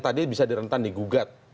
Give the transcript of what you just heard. tadi bisa direntan di gugat